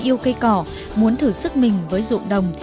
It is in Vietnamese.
yêu cây cỏ muốn thử sức mình với ruộng đồng